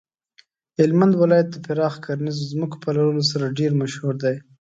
هلمند ولایت د پراخو کرنیزو ځمکو په لرلو سره ډیر مشهور دی.